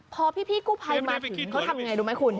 พอพี่กู้ภัยมาถึงเขาทำไงรู้ไหมคุณ